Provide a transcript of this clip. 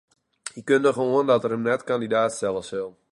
Hy kundige oan dat er him net kandidaat stelle sil.